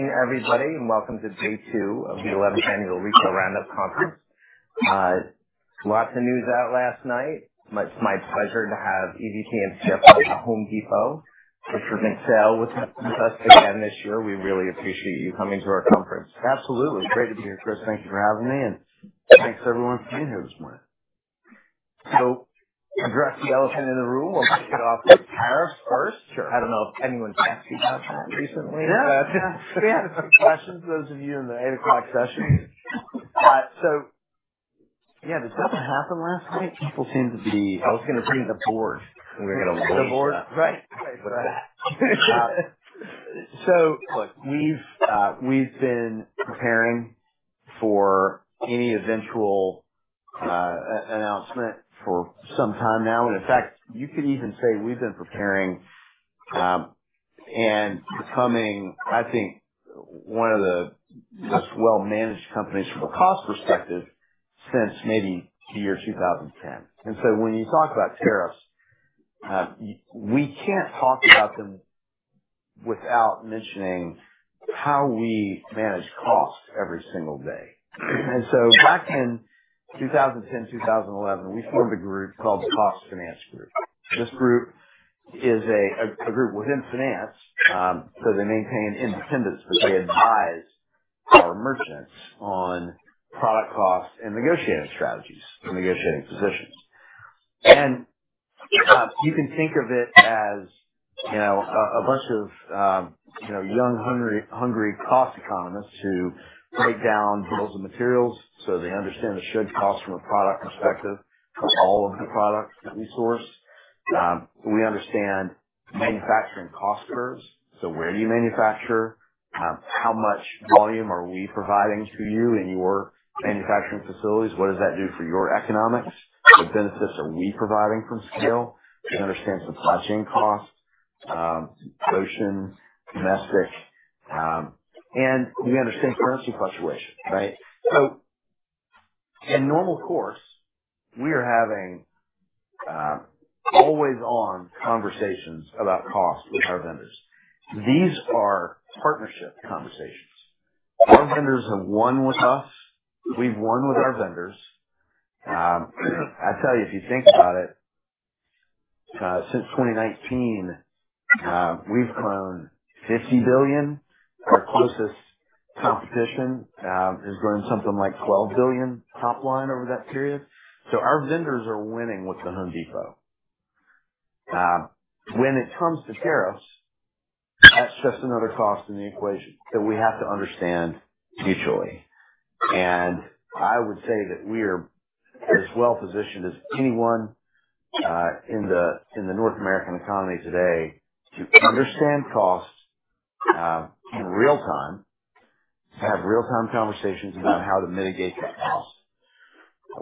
Hey, everybody, and welcome to day two of the 11th Annual Retail Roundup Conference. Lots of news out last night. It's my pleasure to have EVP and CFO from The Home Depot fireside chat with us again this year. We really appreciate you coming to our conference. Absolutely. Great to be here, Chris. Thank you for having me, and thanks to everyone for being here this morning. Address the elephant in the room. We'll kick it off with tariffs first. I don't know if anyone's asked about that recently. Yeah. We had a few questions, those of you in the 8:00 session. Yeah, this doesn't happen last night. People seem to be—I was going to bring the board. We're going to lower the board. Right. Look, we've been preparing for any eventual announcement for some time now. In fact, you could even say we've been preparing and becoming, I think, one of the most well-managed companies from a cost perspective since maybe the year 2010. When you talk about tariffs, we can't talk about them without mentioning how we manage costs every single day. Back in 2010, 2011, we formed a group called the Cost Finance Group. This group is a group within finance, so they maintain independence, but they advise our merchants on product costs and negotiating strategies and negotiating positions. You can think of it as a bunch of young, hungry cost economists who break down bills and materials so they understand the shed cost from a product perspective for all of the products that we source. We understand manufacturing cost curves. Where do you manufacture? How much volume are we providing to you and your manufacturing facilities? What does that do for your economics? What benefits are we providing from scale? We understand supply chain costs, ocean, domestic, and we understand currency fluctuation, right? In normal course, we are having always-on conversations about cost with our vendors. These are partnership conversations. Our vendors have won with us. We've won with our vendors. I tell you, if you think about it, since 2019, we've grown $50 billion. Our closest competition has grown something like $12 billion top line over that period. Our vendors are winning with The Home Depot. When it comes to tariffs, that's just another cost in the equation that we have to understand mutually. I would say that we are as well-positioned as anyone in the North American economy today to understand costs in real time, to have real-time conversations about how to mitigate the cost.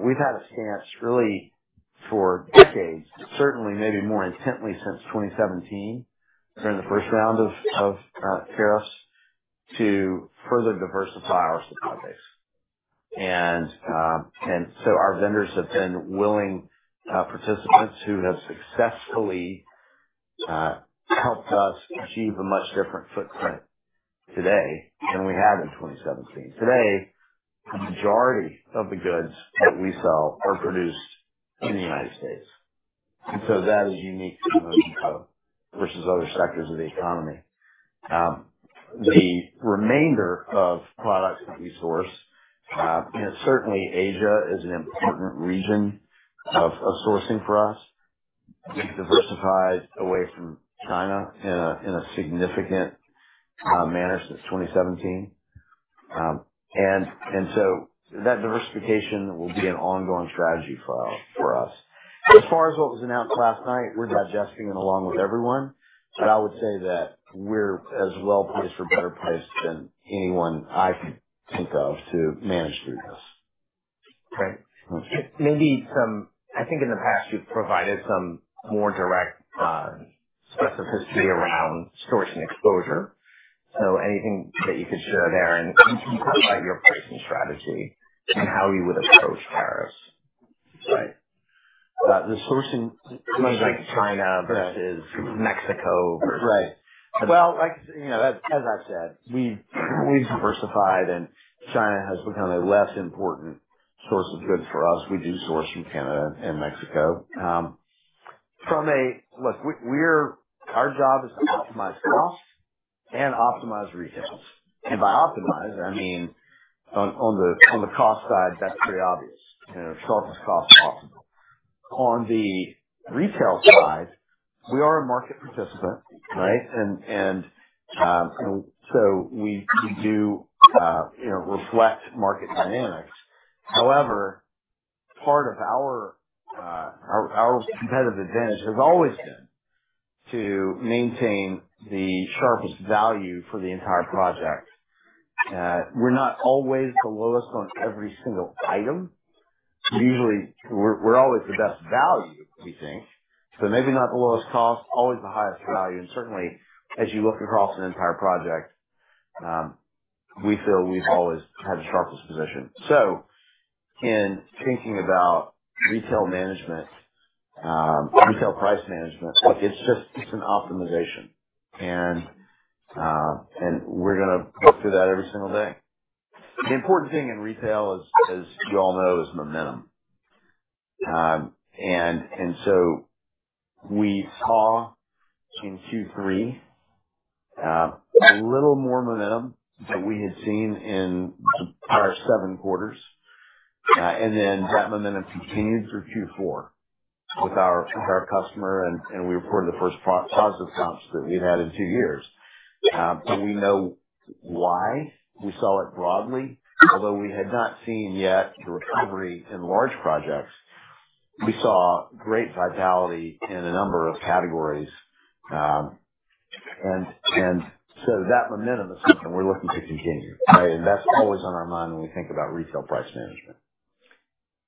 We have had a stance really for decades, certainly maybe more intently since 2017 during the first round of tariffs to further diversify our supply base. Our vendors have been willing participants who have successfully helped us achieve a much different footprint today than we had in 2017. Today, the majority of the goods that we sell are produced in the United States. That is unique to The Home Depot versus other sectors of the economy. The remainder of products that we source, certainly Asia is an important region of sourcing for us. We have diversified away from China in a significant manner since 2017. That diversification will be an ongoing strategy for us. As far as what was announced last night, we're digesting it along with everyone. I would say that we're as well placed or better placed than anyone I can think of to manage through this. Okay. Maybe in the past, you've provided some more direct specificity around source and exposure. Anything that you could share there and you can provide your pricing strategy and how you would approach tariffs. Right. The sourcing might be like China versus Mexico versus. Right. As I've said, we've diversified, and China has become a less important source of goods for us. We do source from Canada and Mexico. Look, our job is to optimize costs and optimize retails. By optimize, I mean on the cost side, that's pretty obvious. Shelf is cost optimal. On the retail side, we are a market participant, right? We do reflect market dynamics. However, part of our competitive advantage has always been to maintain the sharpest value for the entire project. We're not always the lowest on every single item. We're always the best value, we think. Maybe not the lowest cost, always the highest value. Certainly, as you look across an entire project, we feel we've always had the sharpest position. In thinking about retail management, retail price management, it's an optimization. We're going to work through that every single day. The important thing in retail, as you all know, is momentum. We saw in Q3 a little more momentum than we had seen in the prior seven quarters. That momentum continued through Q4 with our customer, and we reported the first positive comps that we've had in two years. We know why we saw it broadly. Although we had not seen yet the recovery in large projects, we saw great vitality in a number of categories. That momentum is something we're looking to continue, right? That's always on our mind when we think about retail price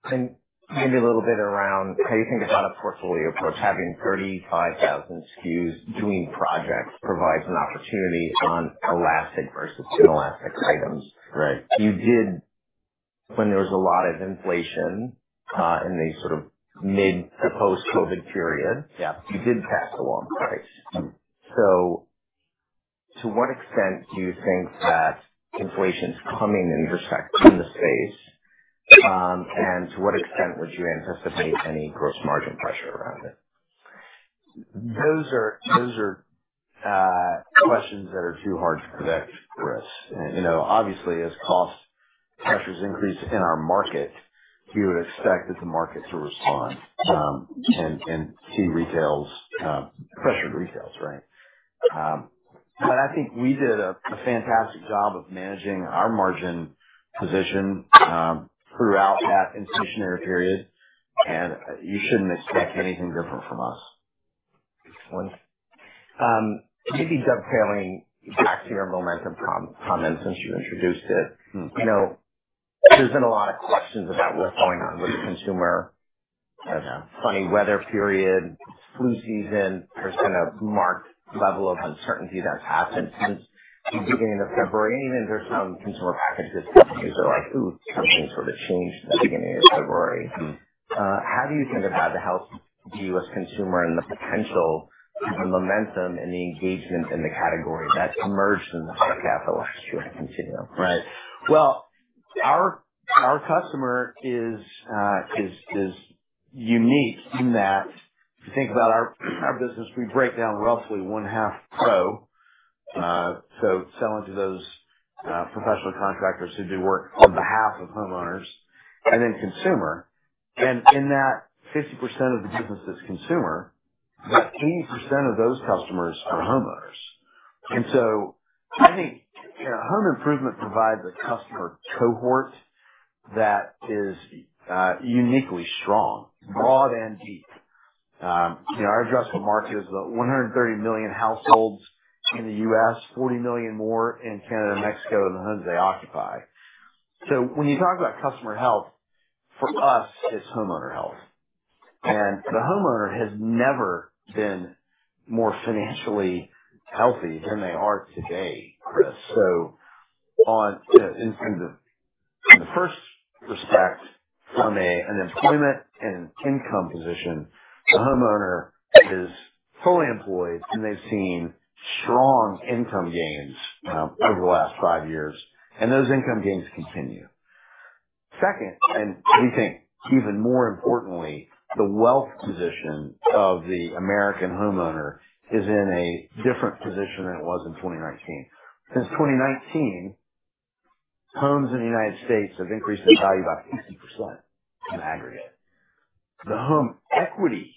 management. Maybe a little bit around how you think about a portfolio approach, having 35,000 SKUs doing projects provides an opportunity on elastic versus inelastic items. Right. You did, when there was a lot of inflation in the sort of mid to post-COVID period, you did pass along price. To what extent do you think that inflation's coming in the space, and to what extent would you anticipate any gross margin pressure around it? Those are questions that are too hard to predict, Chris. Obviously, as cost pressures increase in our market, you would expect the market to respond and see retails, pressured retails, right? I think we did a fantastic job of managing our margin position throughout that inflationary period, and you should not expect anything different from us. Excellent. Maybe dovetailing back to your momentum comment since you introduced it, there's been a lot of questions about what's going on with the consumer. Funny weather period, flu season, there's been a marked level of uncertainty that's happened since the beginning of February. Even there's some consumer packaged goods companies are like, "Ooh, something sort of changed in the beginning of February." How do you think about the health of you as a consumer and the potential of the momentum and the engagement in the category that emerged in the higher cap the last year to continue? Right. Our customer is unique in that if you think about our business, we break down roughly one-half pro, so selling to those professional contractors who do work on behalf of homeowners, and then consumer. In that 50% of the business that is consumer, about 80% of those customers are homeowners. I think home improvement provides a customer cohort that is uniquely strong, broad and deep. Our addressable market is the 130 million households in the U.S., 40 million more in Canada, Mexico, and the ones they occupy. When you talk about customer health, for us, it is homeowner health. The homeowner has never been more financially healthy than they are today, Chris. In the first respect, from an employment and an income position, the homeowner is fully employed, and they have seen strong income gains over the last five years. Those income gains continue. Second, and we think even more importantly, the wealth position of the American homeowner is in a different position than it was in 2019. Since 2019, homes in the United States have increased in value by 50% in aggregate. The home equity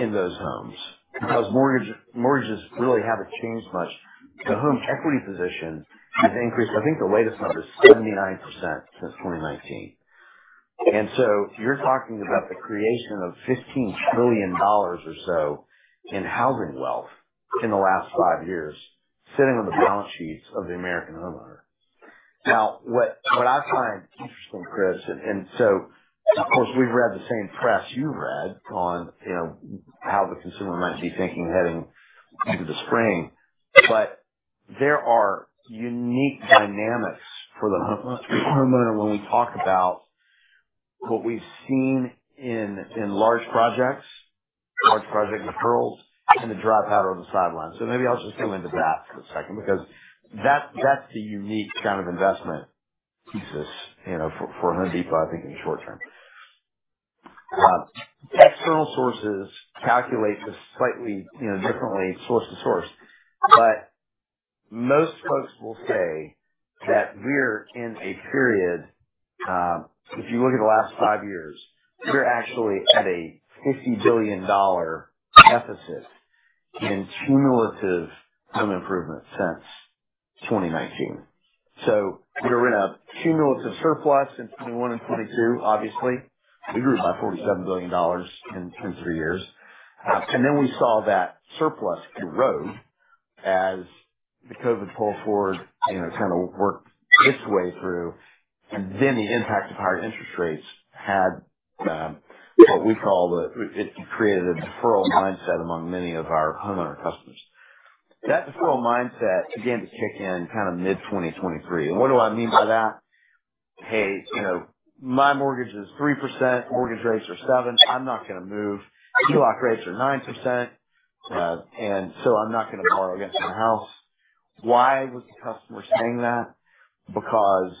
in those homes, because mortgages really have not changed much, the home equity position has increased. I think the latest number is 79% since 2019. You are talking about the creation of $15 trillion or so in housing wealth in the last five years sitting on the balance sheets of the American homeowner. Now, what I find interesting, Chris, and of course, we've read the same press you've read on how the consumer might be thinking heading into the spring, but there are unique dynamics for the homeowner when we talk about what we've seen in large projects, large project referrals, and the dry powder on the sidelines. Maybe I'll just go into that for a second because that's the unique kind of investment thesis for Home Depot, I think, in the short term. External sources calculate just slightly differently source to source. Most folks will say that we're in a period, if you look at the last five years, we're actually at a $50 billion deficit in cumulative home improvement since 2019. We're in a cumulative surplus in 2021 and 2022, obviously. We grew by $47 billion in three years. We saw that surplus grow as the COVID pull forward kind of worked its way through, and then the impact of higher interest rates had what we call the, it created a deferral mindset among many of our homeowner customers. That deferral mindset began to kick in kind of mid-2023. What do I mean by that? "Hey, my mortgage is 3%. Mortgage rates are 7%. I'm not going to move. HELOC rates are 9%. And so I'm not going to borrow against my house." Why was the customer saying that? Because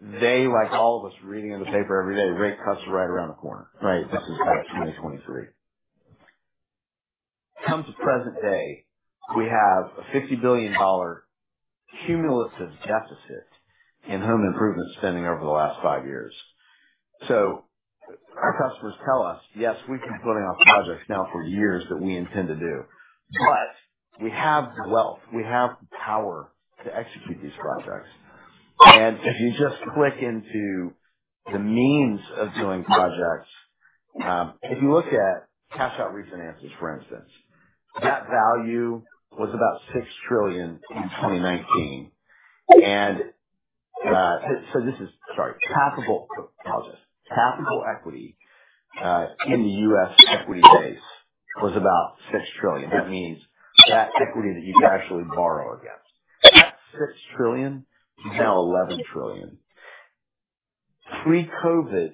they, like all of us reading in the paper every day, rate cuts are right around the corner, right? This is 2023. Come to present day, we have a $50 billion cumulative deficit in home improvement spending over the last five years. Our customers tell us, "Yes, we've been building off projects now for years that we intend to do. But we have the wealth. We have the power to execute these projects." If you just click into the means of doing projects, if you look at cash-out refinances, for instance, that value was about $6 trillion in 2019. This is, sorry, palpable, apologize, tappable equity in the U.S. equity base was about $6 trillion. That means that equity that you could actually borrow against. That $6 trillion is now $11 trillion. Pre-COVID,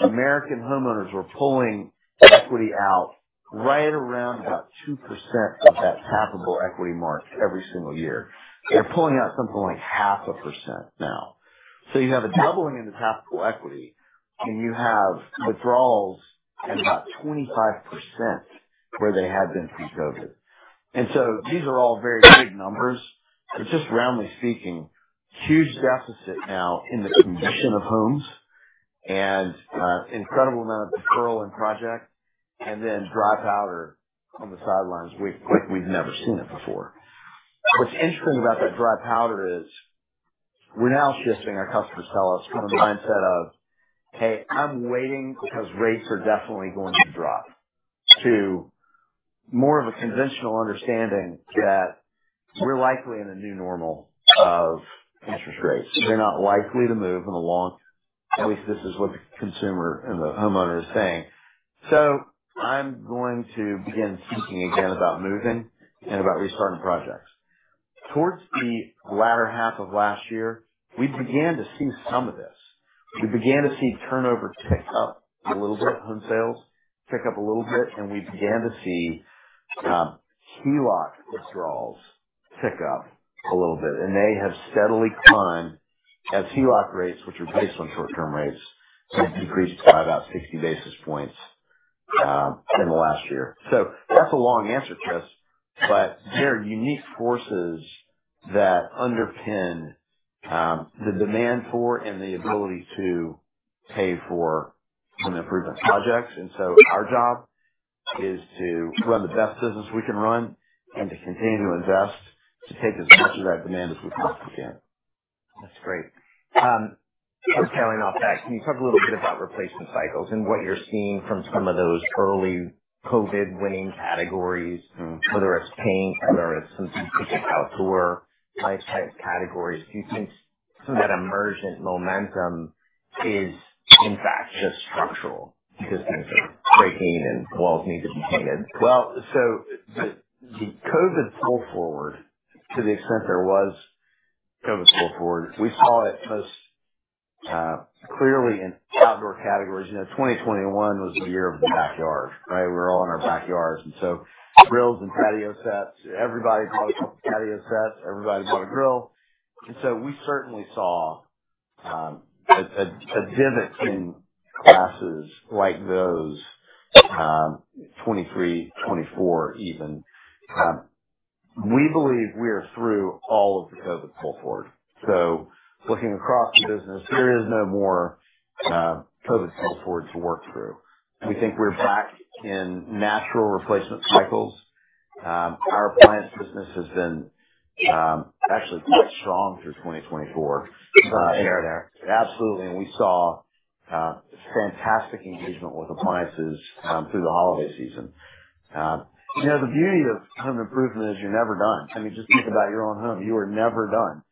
American homeowners were pulling equity out right around about 2% of that tappable equity mark every single year. They're pulling out something like 0.5% now. You have a doubling in the tappable equity, and you have withdrawals at about 25% where they had been pre-COVID. These are all very big numbers. Just roundly speaking, huge deficit now in the condition of homes and incredible amount of deferral in projects, and then dry powder on the sidelines like we've never seen it before. What's interesting about that dry powder is we're now shifting, our customers tell us, from a mindset of, "Hey, I'm waiting because rates are definitely going to drop," to more of a conventional understanding that we're likely in a new normal of interest rates. They're not likely to move in the long term. At least this is what the consumer and the homeowner is saying. I'm going to begin speaking again about moving and about restarting projects. Towards the latter half of last year, we began to see some of this. We began to see turnover tick up a little bit, home sales tick up a little bit, and we began to see HELOC withdrawals tick up a little bit. They have steadily climbed as HELOC rates, which are based on short-term rates, have decreased by about 60 basis points in the last year. That is a long answer, Chris, but there are unique forces that underpin the demand for and the ability to pay for home improvement projects. Our job is to run the best business we can run and to continue to invest to take as much of that demand as we possibly can. That's great. Kind of carrying off that, can you talk a little bit about replacement cycles and what you're seeing from some of those early COVID-winning categories, whether it's paint, whether it's some specific outdoor life type categories? Do you think some of that emergent momentum is, in fact, just structural because things are breaking and walls need to be painted? The COVID pull forward, to the extent there was COVID pull forward, we saw it most clearly in outdoor categories. 2021 was the year of the backyard, right? We were all in our backyards. Grills and patio sets. Everybody bought a patio set. Everybody bought a grill. We certainly saw a divot in classes like those 2023, 2024 even. We believe we are through all of the COVID pull forward. Looking across the business, there is no more COVID pull forward to work through. We think we're back in natural replacement cycles. Our appliance business has been actually quite strong through 2024. There and there. Absolutely. We saw fantastic engagement with appliances through the holiday season. The beauty of home improvement is you're never done. I mean, just think about your own home. You are never done.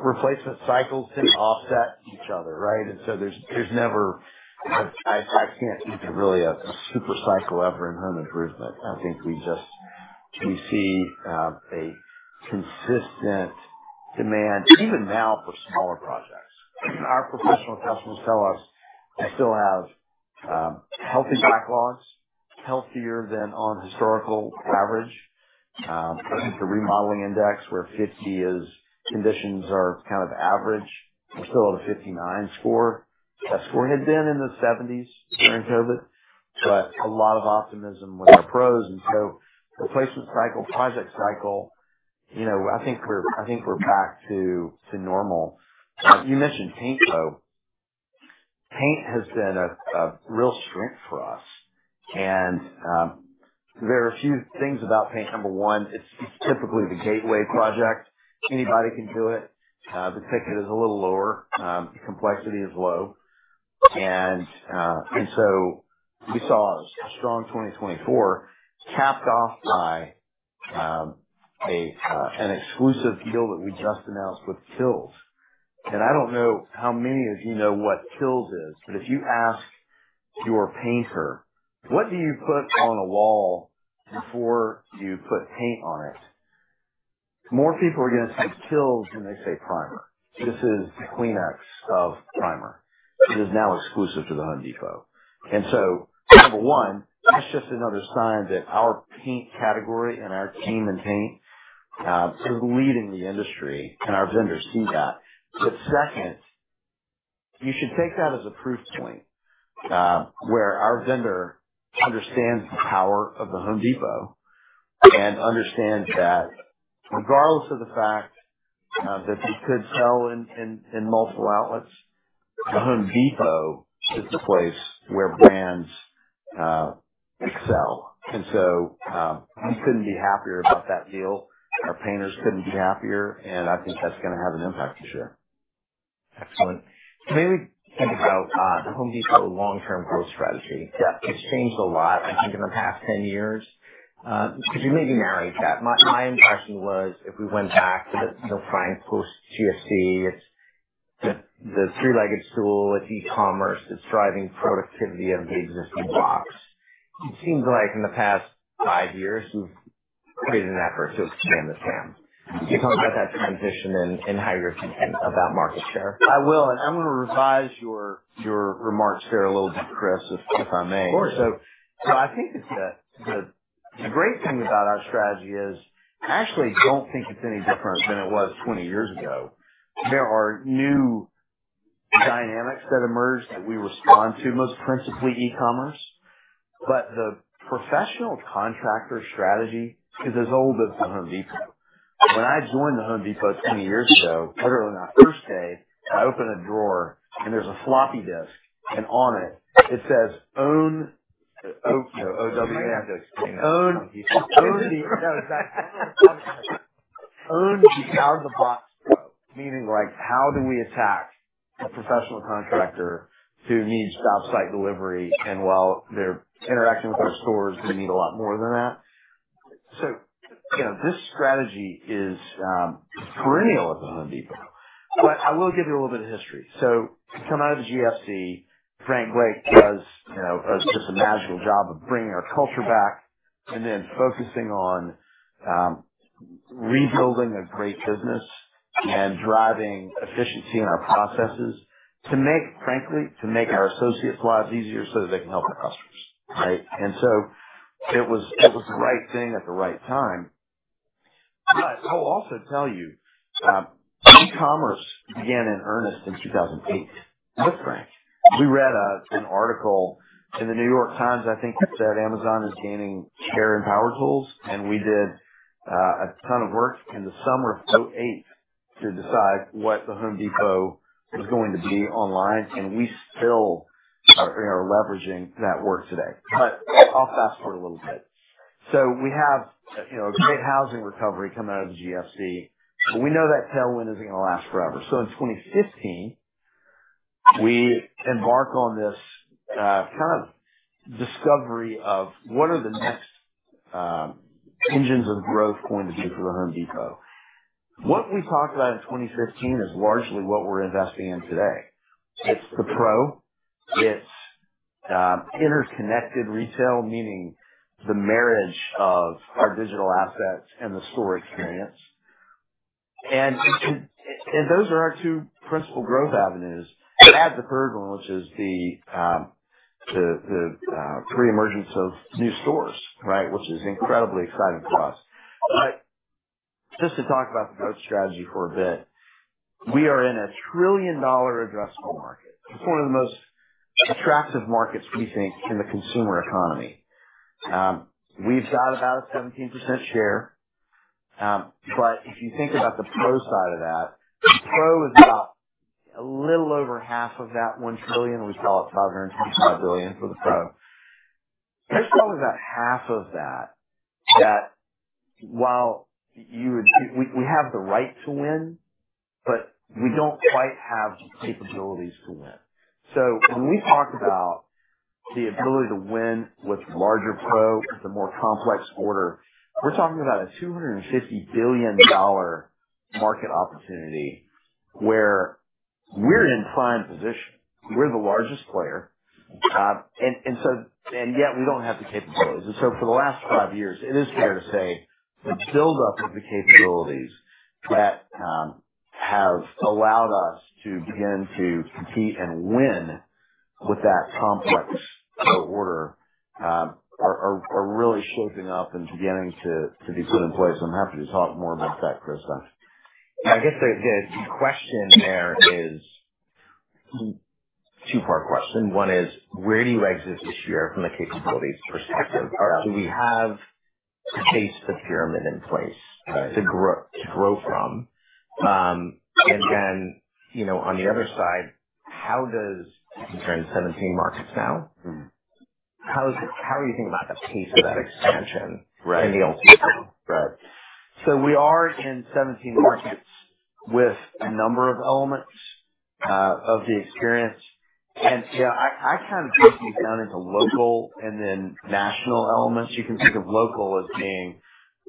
Replacement cycles tend to offset each other, right? There is never—I can't think of really a super cycle ever in home improvement. I think we see a consistent demand, even now, for smaller projects. Our professional customers tell us we still have healthy backlogs, healthier than on historical average. The remodeling index, where 50 is conditions are kind of average, we are still at a 59 score. That score had been in the 70s during COVID, but a lot of optimism with our pros. Replacement cycle, project cycle, I think we are back to normal. You mentioned paint, though. Paint has been a real strength for us. There are a few things about paint. Number one, it's typically the gateway project. Anybody can do it. The ticket is a little lower. The complexity is low. We saw a strong 2024 capped off by an exclusive deal that we just announced with Kilz. I don't know how many of you know what Kilz is, but if you ask your painter, "What do you put on a wall before you put paint on it?" more people are going to say Kilz than they say primer. This is the Kleenex of primer. It is now exclusive to The Home Depot. Number one, that's just another sign that our paint category and our team in paint is leading the industry, and our vendors see that. You should take that as a proof point where our vendor understands the power of The Home Depot and understands that regardless of the fact that they could sell in multiple outlets, The Home Depot is the place where brands excel. We couldn't be happier about that deal. Our painters couldn't be happier. I think that's going to have an impact for sure. Excellent. Maybe think about the Home Depot long-term growth strategy. It's changed a lot, I think, in the past 10 years. Could you maybe narrate that? My impression was if we went back to the Frank Blake post-Great Financial Crisis, it's the three-legged stool, it's e-commerce, it's driving productivity of the existing blocks. It seems like in the past five years, you've created an effort to expand the TAM. Can you talk about that transition and how you're thinking about market share? I will. I am going to revise your remarks there a little bit, Chris, if I may. Of course. I think the great thing about our strategy is I actually don't think it's any different than it was 20 years ago. There are new dynamics that emerge that we respond to, most principally e-commerce. The professional contractor strategy is as old as the Home Depot. When I joined the Home Depot 20 years ago, literally on my first day, I opened a drawer, and there's a floppy disk. And on it, it says, "Own Pro." I have to explain that. Own the. Own the out-of-the-box Pro, meaning how do we attack a professional contractor who needs job site delivery and, while they're interacting with our stores, we need a lot more than that. This strategy is perennial at The Home Depot. I will give you a little bit of history. Coming out of the Great Financial Crisis, Frank Blake does just a magical job of bringing our culture back and then focusing on rebuilding a great business and driving efficiency in our processes to make, frankly, to make our associates' lives easier so that they can help our customers, right? It was the right thing at the right time. I will also tell you e-commerce began in earnest in 2008 with Frank. We read an article in The New York Times, I think, that said Amazon is gaining share in power tools. We did a ton of work in the summer of 2008 to decide what The Home Depot was going to be online. We still are leveraging that work today. I'll fast forward a little bit. We have a great housing recovery coming out of the GFC. We know that tailwind is not going to last forever. In 2015, we embark on this kind of discovery of what are the next engines of growth going to be for The Home Depot. What we talked about in 2015 is largely what we are investing in today. It is the pro. It is interconnected retail, meaning the marriage of our digital assets and the store experience. Those are our two principal growth avenues. We add the third one, which is the pre-emergence of new stores, which is incredibly exciting for us. Just to talk about the growth strategy for a bit, we are in a trillion-dollar addressable market. It's one of the most attractive markets, we think, in the consumer economy. We've got about a 17% share. If you think about the pro side of that, the pro is about a little over half of that $1 trillion. We call it $525 billion for the pro. There's probably about half of that that, while you would—we have the right to win, but we don't quite have the capabilities to win. When we talk about the ability to win with larger pro, with a more complex order, we're talking about a $250 billion market opportunity where we're in prime position. We're the largest player. Yet, we don't have the capabilities. For the last five years, it is fair to say the buildup of the capabilities that have allowed us to begin to compete and win with that complex order are really shaping up and beginning to be put in place. I'm happy to talk more about that, Chris. Yeah. I guess the question there is a two-part question. One is, where do you exit this year from a capabilities perspective? Do we have a base to pyramid in place to grow from? On the other side, how does—we're in 17 markets now. How do you think about the pace of that expansion in the old people? Right. We are in 17 markets with a number of elements of the experience. I kind of break these down into local and then national elements. You can think of local as being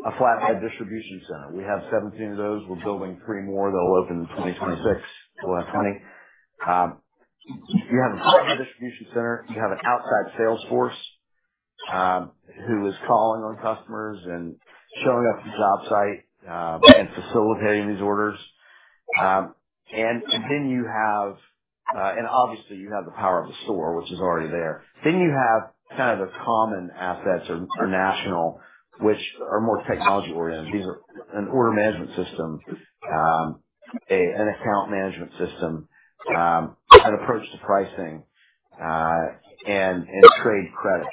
a flatbed distribution center. We have 17 of those. We are building three more. They will open in 2026. We will have 20. You have a flatbed distribution center. You have an outside sales force who is calling on customers and showing up to job site and facilitating these orders. Obviously, you have the power of the store, which is already there. You have the common assets or national, which are more technology-oriented. These are an order management system, an account management system, an approach to pricing, and trade credit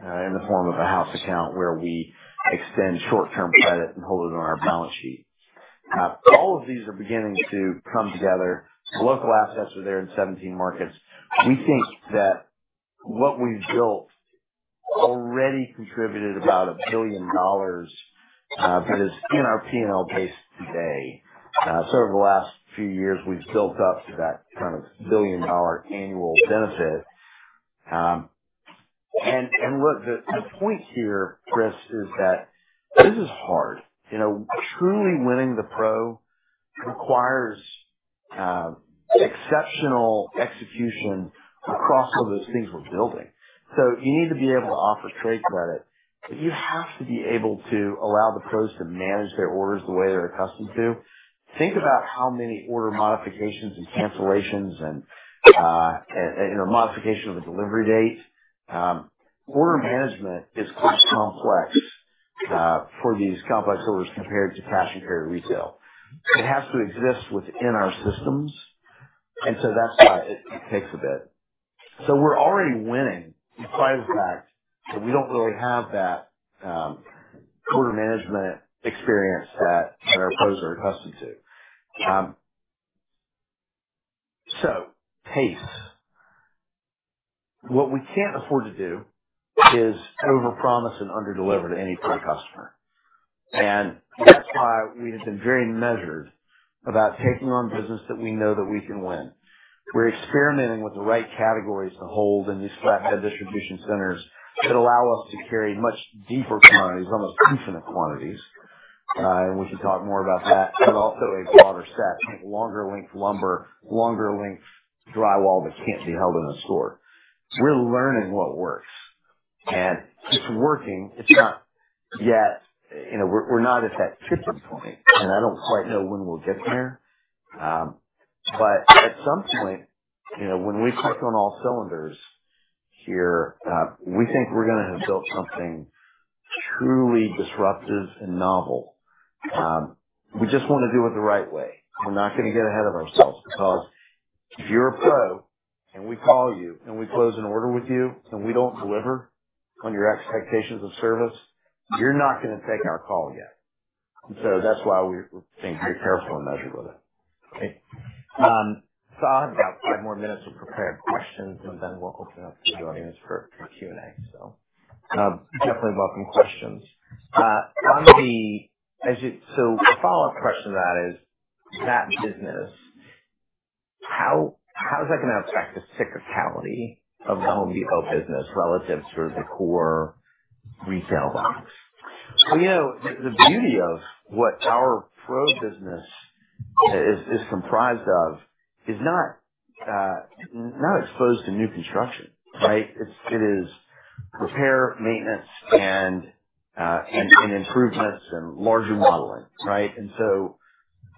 in the form of a house account where we extend short-term credit and hold it on our balance sheet. All of these are beginning to come together. The local assets are there in 17 markets. We think that what we've built already contributed about $1 billion that is in our P&L base today. Over the last few years, we've built up to that kind of $1 billion annual benefit. Look, the point here, Chris, is that this is hard. Truly winning the pro requires exceptional execution across all those things we're building. You need to be able to offer trade credit, but you have to be able to allow the pros to manage their orders the way they're accustomed to. Think about how many order modifications and cancellations and modification of a delivery date. Order management is quite complex for these complex orders compared to cash and carry retail. It has to exist within our systems. That is why it takes a bit. We're already winning in spite of the fact that we don't really have that order management experience that our pros are accustomed to. What we can't afford to do is overpromise and underdeliver to any particular customer. That's why we have been very measured about taking on business that we know that we can win. We're experimenting with the right categories to hold in these flatbed distribution centers that allow us to carry much deeper quantities, almost infinite quantities. We can talk more about that, but also a broader set, longer-length lumber, longer-length drywall that can't be held in a store. We're learning what works. It's working. It's not yet—we're not at that tipping point. I don't quite know when we'll get there. At some point, when we click on all cylinders here, we think we're going to have built something truly disruptive and novel. We just want to do it the right way. We're not going to get ahead of ourselves because if you're a pro and we call you and we close an order with you and we don't deliver on your expectations of service, you're not going to take our call yet. That's why we think we're careful and measured with it. Okay. I'll have about five more minutes of prepared questions, and then we'll open up to the audience for Q&A. Definitely welcome questions. A follow-up question to that is, that business, how is that going to affect the cyclicality of the Home Depot business relative to the core retail box? The beauty of what our pro business is comprised of is not exposed to new construction, right? It is repair, maintenance, and improvements and larger modeling, right?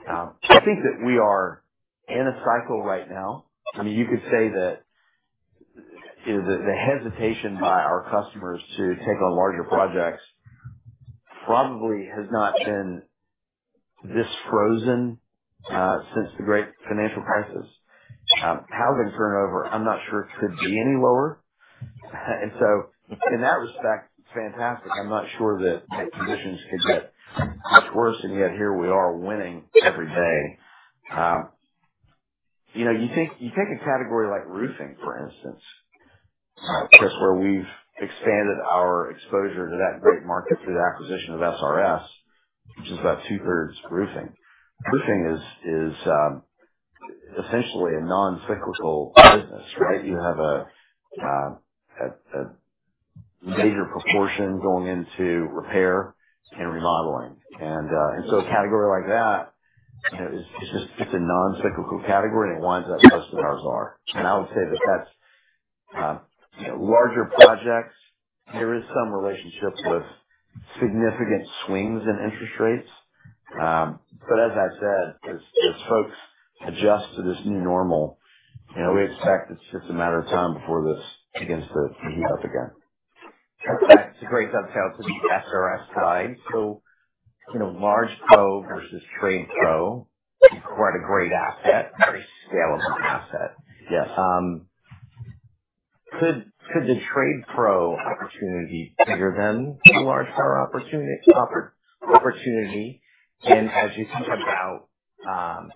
I think that we are in a cycle right now. I mean, you could say that the hesitation by our customers to take on larger projects probably has not been this frozen since the Great Financial Crisis. Housing turnover, I'm not sure it could be any lower. In that respect, it's fantastic. I'm not sure that conditions could get much worse. Yet, here we are winning every day. You take a category like roofing, for instance, Chris, where we've expanded our exposure to that great market through the acquisition of SRS, which is about two-thirds roofing. Roofing is essentially a non-cyclical business, right? You have a major proportion going into repair and remodeling. A category like that, it's a non-cyclical category, and it winds up most of ours are. I would say that that's larger projects. There is some relationship with significant swings in interest rates. As I said, as folks adjust to this new normal, we expect it's just a matter of time before this begins to heat up again. That's great detail to the SRS side. Large pro versus trade pro is quite a great asset, very scalable asset. Could the trade pro opportunity be bigger than the large pro opportunity? As you think about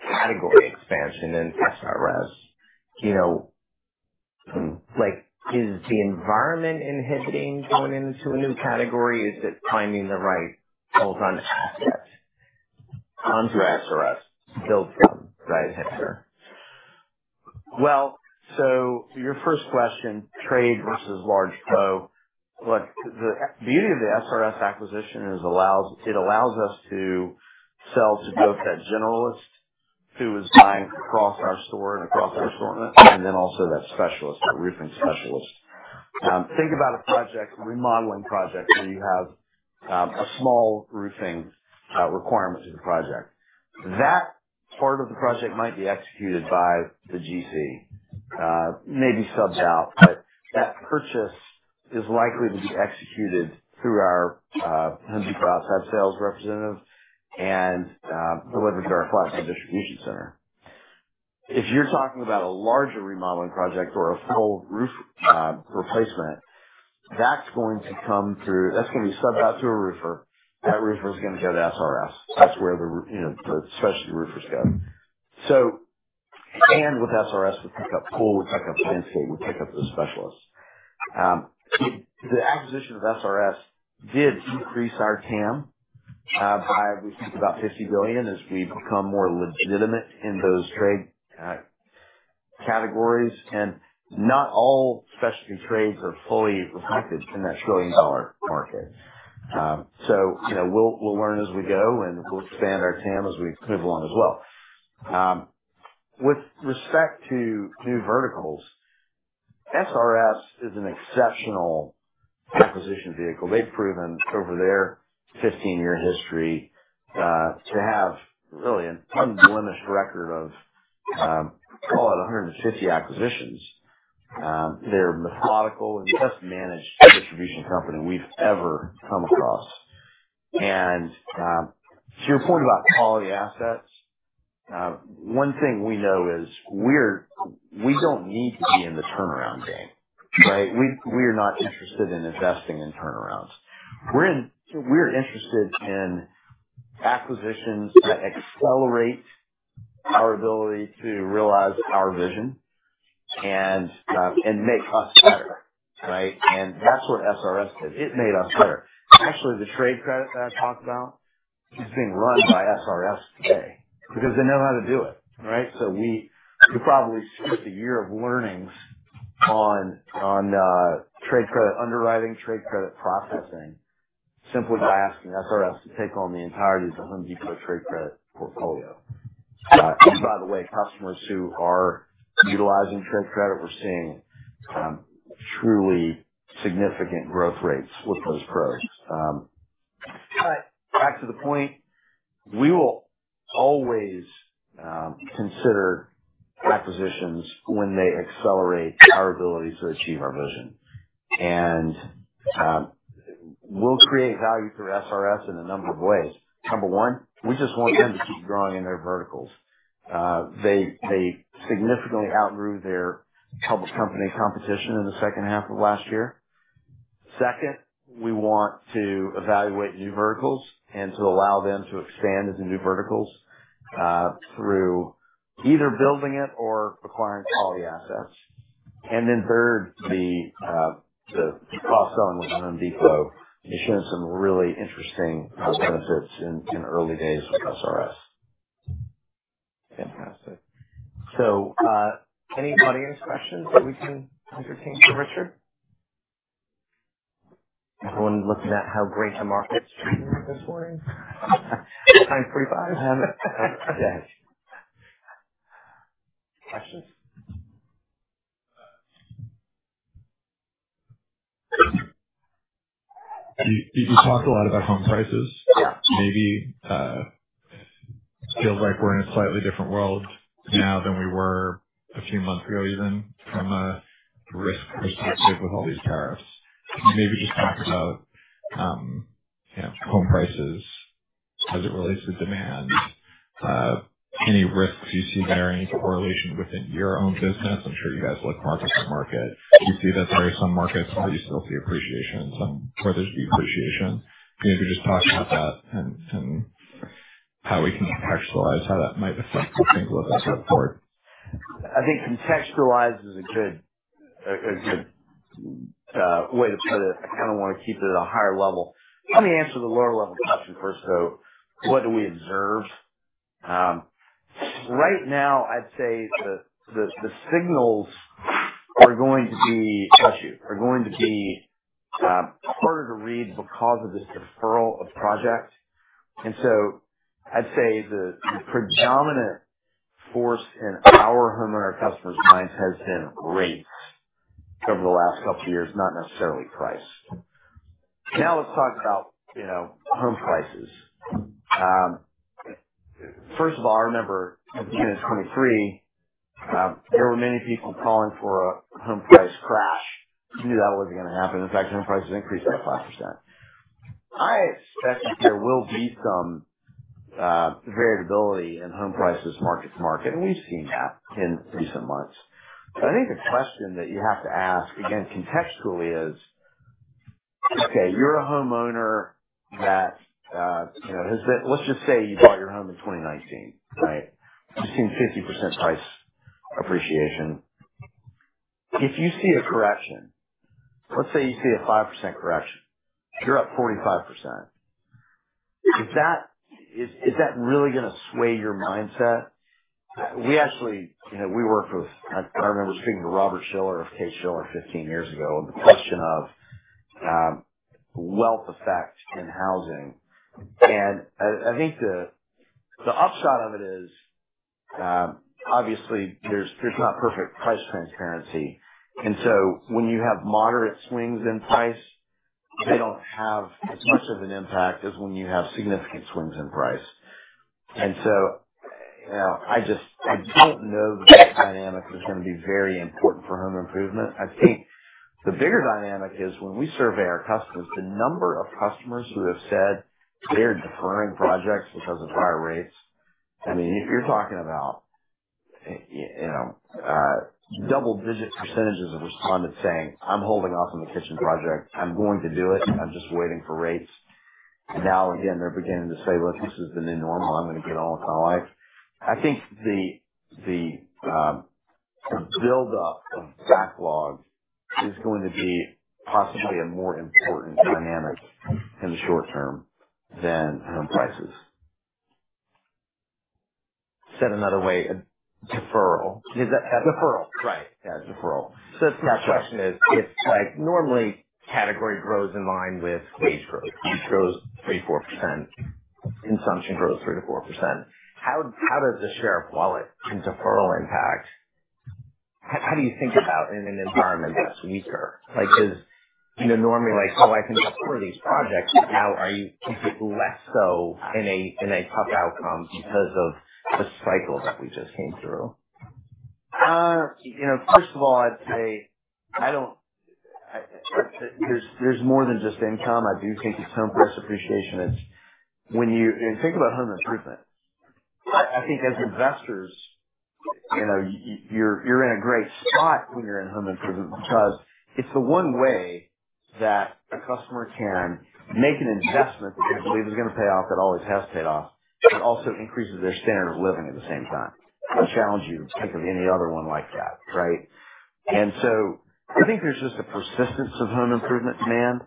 category expansion and SRS, is the environment inhibiting going into a new category? Is it finding the right hold-on asset onto SRS to build from, right? Yeah. Your first question, trade versus large pro, look, the beauty of the SRS acquisition is it allows us to sell to both that generalist who is buying across our store and across our assortment, and then also that specialist, the roofing specialist. Think about a project, a remodeling project where you have a small roofing requirement to the project. That part of the project might be executed by the GC, maybe sub-value, but that purchase is likely to be executed through our Home Depot outside sales representative and delivered to our flatbed distribution center. If you're talking about a larger remodeling project or a full roof replacement, that's going to come through. That's going to be sub-valued to a roofer. That roofer is going to go to SRS. That's where the specialty roofers go. With SRS, we pick up pool. We pick up landscape. We pick up the specialists. The acquisition of SRS did increase our TAM by, we think, about $50 billion as we become more legitimate in those trade categories. Not all specialty trades are fully reflected in that trillion-dollar market. We will learn as we go, and we will expand our TAM as we move along as well. With respect to new verticals, SRS is an exceptional acquisition vehicle. They have proven over their 15-year history to have really an unblemished record of, call it, 150 acquisitions. They are a methodical and best-managed distribution company we have ever come across. To your point about quality assets, one thing we know is we do not need to be in the turnaround game, right? We are not interested in investing in turnarounds. We are interested in acquisitions that accelerate our ability to realize our vision and make us better, right? That is what SRS did. It made us better. Actually, the trade credit that I talked about is being run by SRS today because they know how to do it, right? We probably spent a year of learnings on trade credit underwriting, trade credit processing, simply by asking SRS to take on the entirety of the Home Depot trade credit portfolio. By the way, customers who are utilizing trade credit, we're seeing truly significant growth rates with those pros. Back to the point, we will always consider acquisitions when they accelerate our ability to achieve our vision. We will create value through SRS in a number of ways. Number one, we just want them to keep growing in their verticals. They significantly outgrew their public company competition in the second half of last year. Second, we want to evaluate new verticals and to allow them to expand into new verticals through either building it or acquiring quality assets. Third, the cross-selling with Home Depot is showing some really interesting benefits in early days with SRS. Fantastic. So any audience questions that we can entertain for Richard? Everyone looking at how great the market's doing this morning? Time for five? Yeah. Questions? You talked a lot about home prices. Maybe feels like we're in a slightly different world now than we were a few months ago, even from a risk perspective with all these tariffs. Maybe just talk about home prices as it relates to demand. Any risks you see there? Any correlation within your own business? I'm sure you guys look market to market. You see that there are some markets where you still see appreciation and some where there's depreciation. Maybe just talk about that and how we can contextualize how that might affect things like that going forward. I think contextualize is a good way to put it. I kind of want to keep it at a higher level. Let me answer the lower-level question first. What do we observe? Right now, I'd say the signals are going to be—bless you—are going to be harder to read because of this deferral of projects. I'd say the predominant force in our homeowner customers' minds has been rates over the last couple of years, not necessarily price. Now let's talk about home prices. First of all, I remember at the beginning of 2023, there were many people calling for a home price crash. Knew that was not going to happen. In fact, home prices increased by 5%. I expect there will be some variability in home prices market to market. We have seen that in recent months. I think the question that you have to ask, again, contextually is, okay, you're a homeowner that has been—let's just say you bought your home in 2019, right? You've seen 50% price appreciation. If you see a correction, let's say you see a 5% correction, you're up 45%. Is that really going to sway your mindset? We actually work with—I remember speaking to Robert Shiller of Case-Shiller15 years ago on the question of wealth effect in housing. I think the upshot of it is, obviously, there's not perfect price transparency. When you have moderate swings in price, they do not have as much of an impact as when you have significant swings in price. I do not know that this dynamic is going to be very important for home improvement. I think the bigger dynamic is when we survey our customers, the number of customers who have said they're deferring projects because of higher rates. I mean, if you're talking about double-digit percentage of respondents saying, "I'm holding off on the kitchen project. I'm going to do it. I'm just waiting for rates." Now, again, they're beginning to say, "Look, this is the new normal. I'm going to get on with my life." I think the build-up of backlog is going to be possibly a more important dynamic in the short term than home prices. Said another way, deferral. Deferral, right. Yeah, deferral. The question is, normally, category grows in line with wage growth. Wage grows 3%-4%. Consumption grows 3%-4%. How does the share of wallet and deferral impact? How do you think about in an environment that's weaker? Because normally, like, "Oh, I think I'll put these projects." Now, is it less so in a tough outcome because of the cycle that we just came through? First of all, I'd say there's more than just income. I do think it's home price appreciation. When you think about home improvement, I think as investors, you're in a great spot when you're in home improvement because it's the one way that a customer can make an investment that they believe is going to pay off, that always has paid off, but also increases their standard of living at the same time. I challenge you to think of any other one like that, right? I think there's just a persistence of home improvement demand.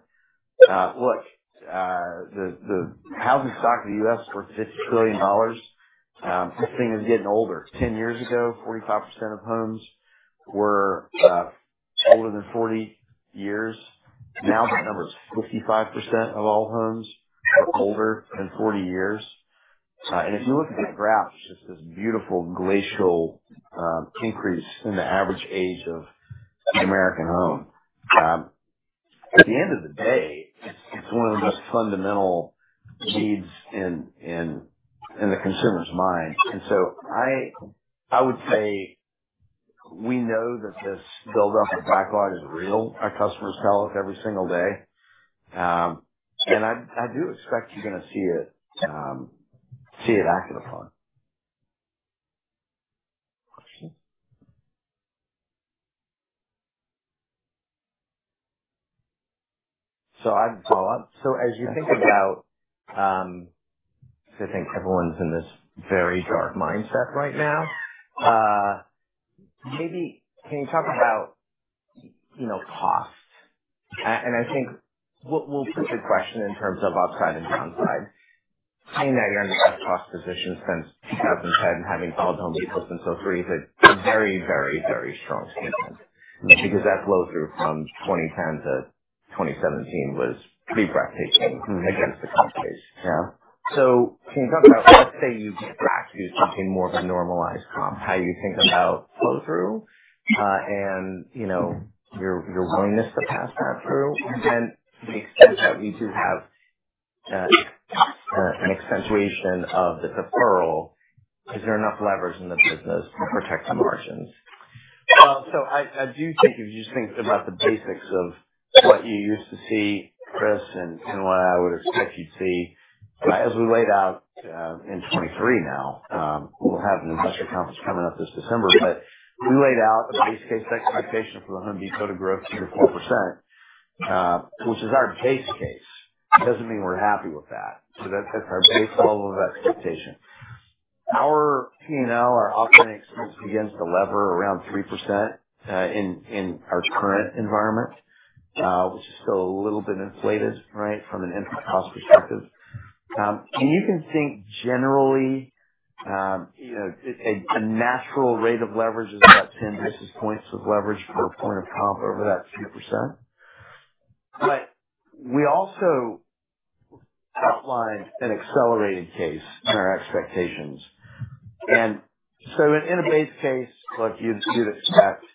Look, the housing stock in the U.S. is worth $50 trillion. This thing is getting older. Ten years ago, 45% of homes were older than 40 years. Now that number is 55% of all homes are older than 40 years. If you look at the graph, it's just this beautiful glacial increase in the average age of the American home. At the end of the day, it's one of the most fundamental needs in the consumer's mind. I would say we know that this build-up of backlog is real. Our customers tell us every single day. I do expect you're going to see it acted upon. Questions? As you think about—I think everyone's in this very dark mindset right now. Maybe can you talk about cost? I think we'll put the question in terms of upside and downside. Saying that you're in the best-cost position since 2010, having called Home Depot since 2003, is a very, very, very strong statement because that flow-through from 2010 to 2017 was pretty breathtaking against the companies. Yeah. Can you talk about, let's say, you—actually it's becoming more of a normalized comp, how you think about flow-through and your willingness to pass that through? Then the extent that you do have an accentuation of the deferral, is there enough levers in the business to protect the margins? I do think if you just think about the basics of what you used to see, Chris, and what I would expect you'd see, as we laid out in 2023 now, we'll have an investor conference coming up this December, but we laid out a base case expectation for The Home Depot to grow 3%-4%, which is our base case. It does not mean we're happy with that. That is our base level of expectation. Our P&L, our operating expense, begins to lever around 3% in our current environment, which is still a little bit inflated, right, from an impact cost perspective. You can think generally a natural rate of leverage is about 10 basis points of leverage per point of comp over that 3%. We also outlined an accelerated case in our expectations. In a base case, look, you'd expect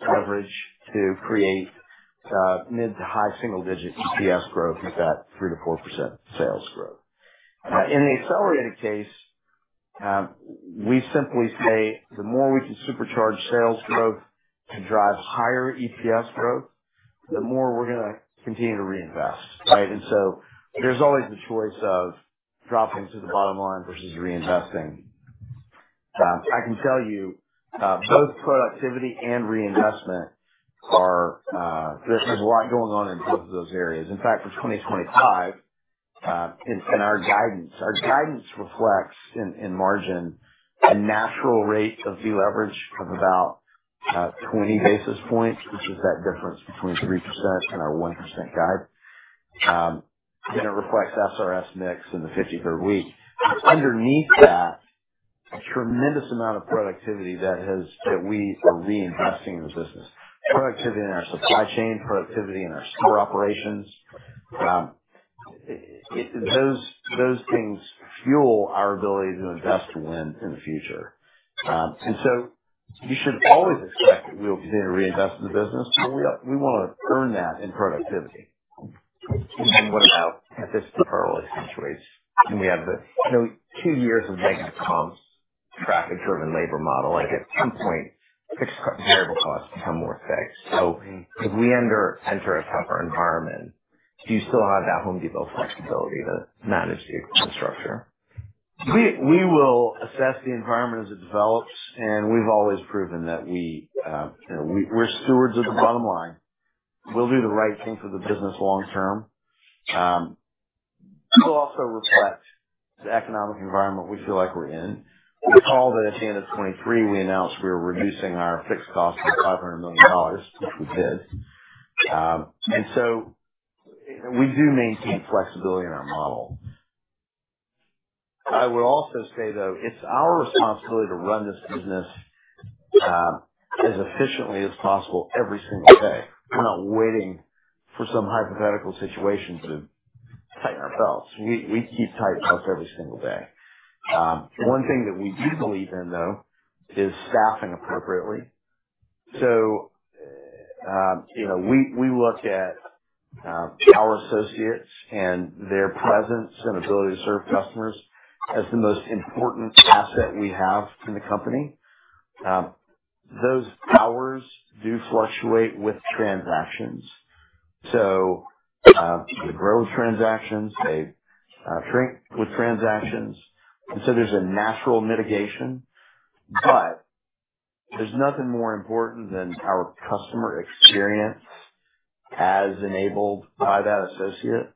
leverage to create mid to high single-digit EPS growth with that 3-4% sales growth. In the accelerated case, we simply say the more we can supercharge sales growth to drive higher EPS growth, the more we're going to continue to reinvest, right? There is always the choice of dropping to the bottom line versus reinvesting. I can tell you both productivity and reinvestment are—there's a lot going on in both of those areas. In fact, for 2025, in our guidance, our guidance reflects in margin a natural rate of deleverage of about 20 basis points, which is that difference between 3% and our 1% guide. It then reflects SRS mix in the 53rd week. Underneath that, a tremendous amount of productivity that we are reinvesting in the business. Productivity in our supply chain, productivity in our store operations. Those things fuel our ability to invest and win in the future. You should always expect that we will continue to reinvest in the business. We want to earn that in productivity. What about as this deferral accentuates? We have the two years of making a comp track and driven labor model. At some point, fixed variable costs become more fixed. If we enter a tougher environment, do you still have that Home Depot flexibility to manage the infrastructure? We will assess the environment as it develops. We have always proven that we are stewards of the bottom line. We will do the right thing for the business long term. We will also reflect the economic environment we feel like we are in. We called it at the end of 2023. We announced we were reducing our fixed costs by $500 million, which we did. We do maintain flexibility in our model. I would also say, though, it's our responsibility to run this business as efficiently as possible every single day. We're not waiting for some hypothetical situation to tighten our belts. We keep tight belts every single day. One thing that we do believe in, though, is staffing appropriately. We look at our associates and their presence and ability to serve customers as the most important asset we have in the company. Those hours do fluctuate with transactions. They grow with transactions. They shrink with transactions. There is a natural mitigation. There is nothing more important than our customer experience as enabled by that associate.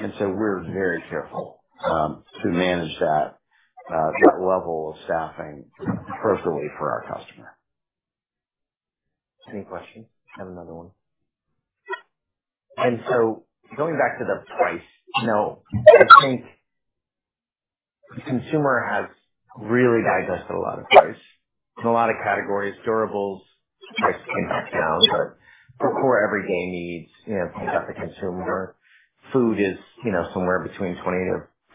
We are very careful to manage that level of staffing appropriately for our customer. Any questions? Have another one? Going back to the price, I think the consumer has really digested a lot of price in a lot of categories. Durables, price came back down, but for everyday needs, think of the consumer. Food is somewhere between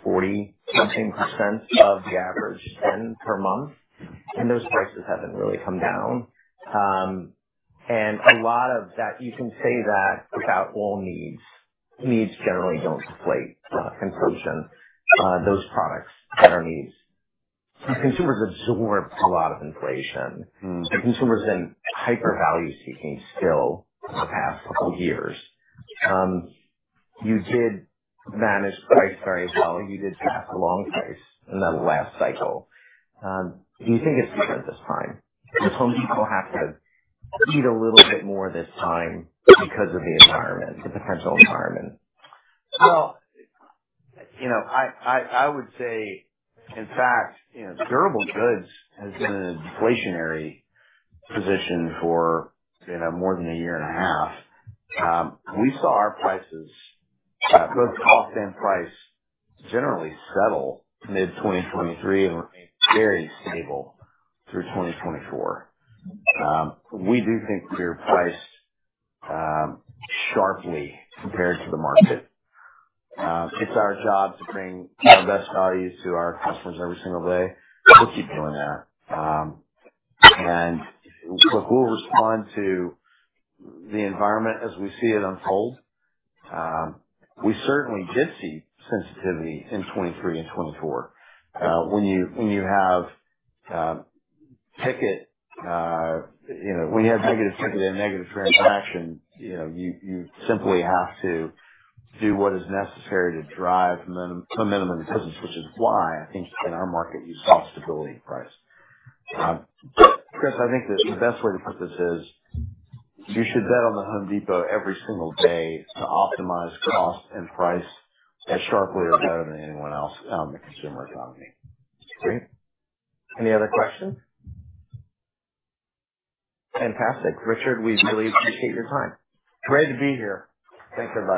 20-40-something percent of the average spend per month. And those prices have not really come down. A lot of that, you can say that without all needs. Needs generally do not deflate consumption. Those products are needs. Consumers absorb a lot of inflation. Consumers have been hyper-value-seeking still the past couple of years. You did manage price very well. You did pass the long price in that last cycle. Do you think it is different this time? Does Home Depot have to eat a little bit more this time because of the environment, the potential environment? In fact, durable goods has been in a deflationary position for more than a year and a half. We saw our prices, both cost and price, generally settle mid-2023 and remain very stable through 2024. We do think we're priced sharply compared to the market. It's our job to bring our best values to our customers every single day. We'll keep doing that. Look, we'll respond to the environment as we see it unfold. We certainly did see sensitivity in 2023 and 2024. When you have negative ticket and negative transaction, you simply have to do what is necessary to drive a minimum difference, which is why I think in our market you saw stability in price. Chris, I think the best way too put this is you should bet on The Home Depot every single day to optimize cost and price as sharply or better than anyone else on the consumer economy. Great. Any other questions? Fantastic. Richard, we really appreciate your time. Great to be here. Thanks for.